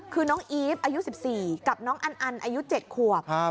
คือน้องอีฟอายุ๑๔กับน้องอันอายุ๗ขวบ